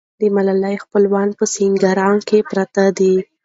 د ملالۍ خپلوان په سینګران کې پراته دي.